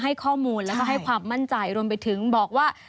ให้ข้อมูลแล้วก็ให้ความมั่นใจรวมไปถึงบอกว่า